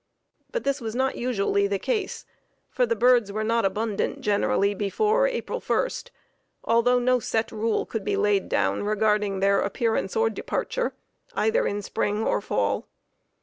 But this was not usually the case, for the birds were not abundant generally before April 1, although no set rule could be laid down regarding their appearance or departure either in spring or fall.